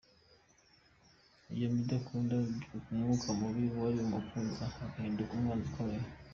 Iyo bidakunda bibyutsa umwuka mubi uwari umukunzi agahinduka umwanzi ukomeye.